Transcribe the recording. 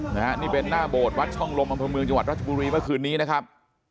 นะฮะนี่เป็นหน้าโบสถวัดช่องลมอำเภอเมืองจังหวัดรัชบุรีเมื่อคืนนี้นะครับ